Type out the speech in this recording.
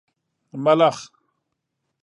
🦗 ملخ